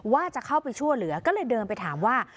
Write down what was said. ว่าจะเข้าไปช่วยเหลือก็เลยเดินไปถามว่า